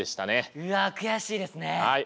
うわ悔しいですね！